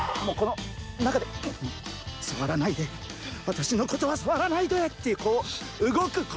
もうこの中でさわらないで私のことはさわらないでっていうこう動く